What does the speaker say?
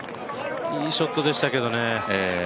いいショットでしたけどね。